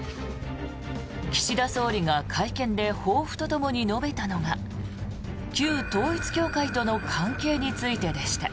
岸田総理が会見で抱負とともに述べたのが旧統一教会との関係についてでした。